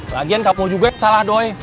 lagian kamu juga yang salah doi